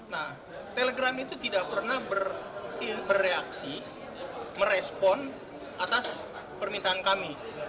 nah telegram itu tidak pernah bereaksi merespon atas permintaan kami